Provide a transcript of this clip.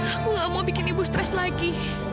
aku gak mau bikin ibu stres lagi